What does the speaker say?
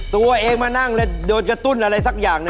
ตัวเองมานั่งแล้วโดนกระตุ้นอะไรสักอย่างหนึ่ง